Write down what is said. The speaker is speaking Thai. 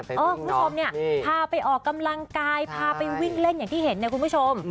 คุณผู้ชมเนี่ยพาไปออกกำลังกายพาไปวิ่งเล่นอย่างที่เห็นเนี่ยคุณผู้ชม